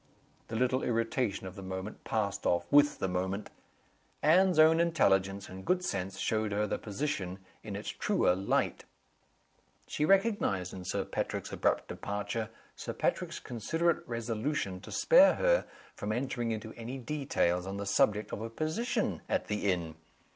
The little irritation of the moment passed off with the moment. Anne's own intelligence and good sense showed her the position in its truer light. She recognized in Sir Patrick's abrupt departure Sir Patrick's considerate resolution to spare her from entering into any details on the subject of her position at the inn.